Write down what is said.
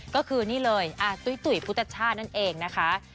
ก็คือนี่เลยตุ้ยตุ๋ยพุทธชาตินั่นเองนะคะ